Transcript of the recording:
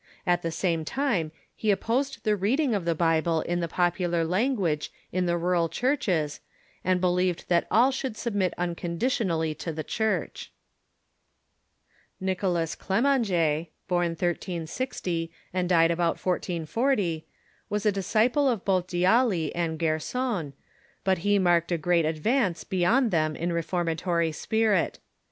At. the same time he opposed the reading of the Bible in the popular language in the rural churches, and believed that all should submit un conditionally to the Church. Nicholas Clemanges, born 1360 and died about 1440, Avas a disciple of both D'Ailly and Gerson, but he marked a great advance beyond them in reformatory spirit.